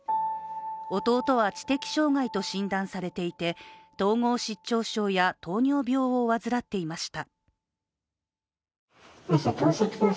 弟は知的障害と診断されていて統合失調症や糖尿病を患っていました。